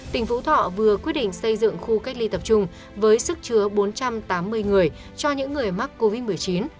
tỉnh phú thọ vừa quyết định xây dựng khu cách ly tập trung với sức chứa bốn trăm tám mươi người cho những người mắc covid một mươi chín